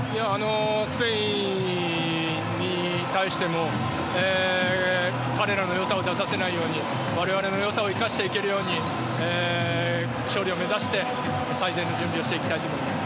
スペインに対しても彼らのよさを出させないように我々のよさを生かしていけるように勝利を目指して最善の準備をしていきたいと思います。